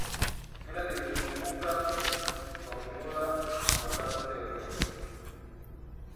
Shule zilifunguka kwa muhula wa tatu leo hii